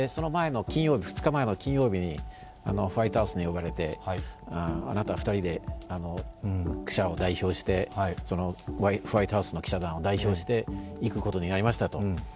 ２日前の金曜日にホワイトハウスに呼ばれてあなた２人でホワイトハウスの記者団を代表して行くことになりましたと。